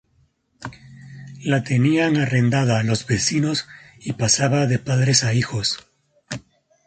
La tenían arrendada los vecinos y pasaba de padres a hijos.